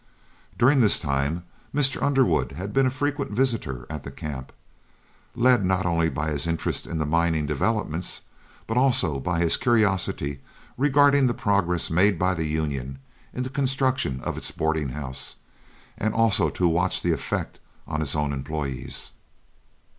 During this time Mr. Underwood had been a frequent visitor at the camp, led not only by his interest in the mining developments, but also by his curiosity regarding the progress made by the union in the construction of its boarding house, and also to watch the effect on his own employees.